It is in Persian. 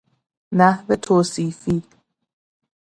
نحو توصیفی